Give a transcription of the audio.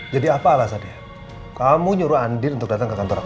jadi apa alasannya kamu nyuruh andien datang ke kantor aku